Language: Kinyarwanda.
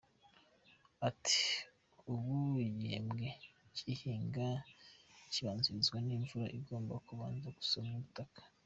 Ati «Ubundi igihembwe cy’ihinga kibanzirizwa n’imvura igomba kubanza gusomya ubutaka.